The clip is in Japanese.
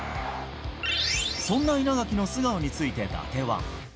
そんな稲垣の素顔について、伊達は。